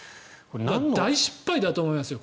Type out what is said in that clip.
大失敗だと思いますよ。